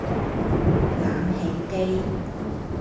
冷氣機